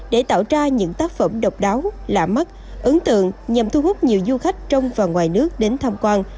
để tạo ra những tác phẩm độc đáo lạ mắt ấn tượng nhằm thu hút nhiều du khách trong và ngoài nước đến tham quan